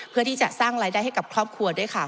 เพื่อที่จะสร้างรายได้ให้กับครอบครัวด้วยค่ะ